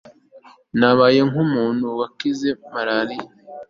Nabaye nkumuntu wakize marariya